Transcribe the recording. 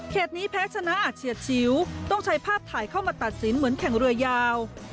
นี้แพ้ชนะอาจเฉียดชิวต้องใช้ภาพถ่ายเข้ามาตัดสินเหมือนแข่งเรือยาว